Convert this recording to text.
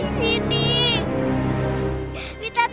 kenapa ini ber publicity jadinya ora